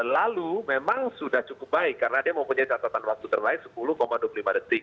lalu memang sudah cukup baik karena dia mempunyai catatan waktu terbaik sepuluh dua puluh lima detik